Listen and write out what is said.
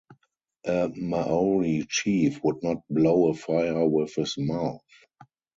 A Maori chief would not blow a fire with his mouth.